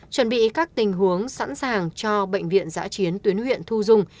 chuẩn bị các tình huống sẵn sàng cho bệnh viện giã chiến tuyến huyện thu dung